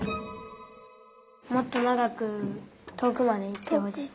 もっとながくとおくまでいってほしい。